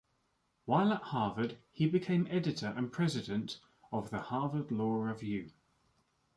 While at Harvard he became editor and president of the "Harvard Law Review".